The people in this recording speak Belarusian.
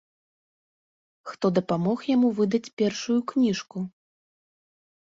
Хто дапамог яму выдаць першую кніжку?